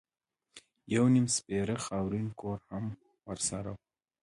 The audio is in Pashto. یو نیم سپېره خاورین کور هم ورسره و.